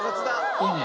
いいね。